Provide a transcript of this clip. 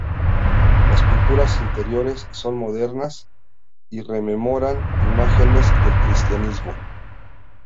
Las pinturas interiores son modernas y rememoran imágenes del cristianismo.